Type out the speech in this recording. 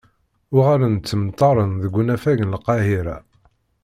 Uɣalen ttmenṭaren deg unafag n Lqahira.